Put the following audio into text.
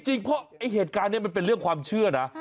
จริงเพราะเหตุการณ์นั่นเป็นเรื่องความเชื่อนะ